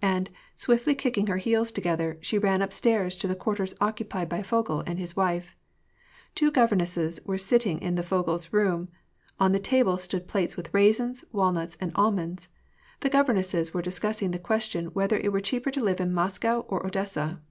and, swiftly kicking her heels together, she ran upstairs to the quarters occupied by Vogel and his wife. Two governesses were sitting in the Vogels' room ; on the table stood plates with raisins, walnuts, and almonds. The governesses were discussing the question whether it were cheaper to live in Moscow or Odessa.